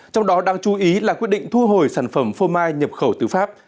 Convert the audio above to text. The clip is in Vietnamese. trong đó đang chú ý là quyết định thu hồi sản phẩm phô mai nhập khẩu từ pháp